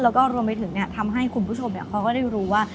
แล้วก็รวมไปถึงทำให้คุณผู้ชมเขาก็ได้รู้ว่า